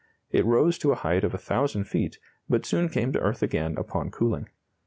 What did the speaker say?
It rose to a height of 1,000 feet, but soon came to earth again upon cooling.